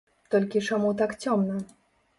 Толькі чаму так цёмна?